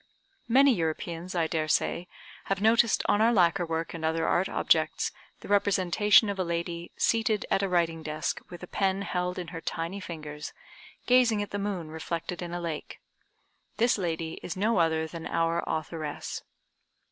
Many Europeans, I daresay, have noticed on our lacquer work and other art objects, the representation of a lady seated at a writing desk, with a pen held in her tiny fingers, gazing at the moon reflected in a lake. This lady is no other than our authoress.